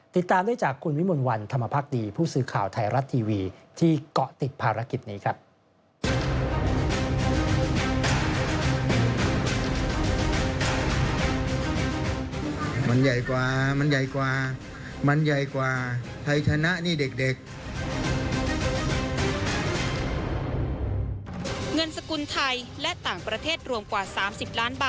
ติดตามได้จากคุณวิมลวันธรรมพักดีผู้สื่อข่าวไทยรัฐทีวีที่เกาะติดภารกิจนี้ครับ